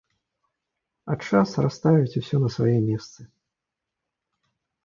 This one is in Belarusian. А час расставіць усё на свае месцы.